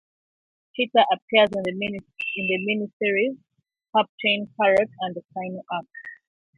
Peter appears in the miniseries "Captain Carrot and the Final Ark".